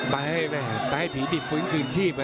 ไปให้ผีดิบฟื้นคืนชีพ